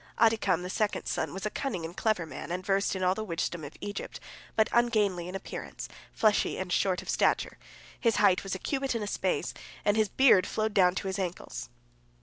Adikam, the second son, was a cunning and clever man, and versed in all the wisdom of Egypt, but ungainly in appearance, fleshy and short of stature; his height was a cubit and a space, and his beard flowed down to his ankles.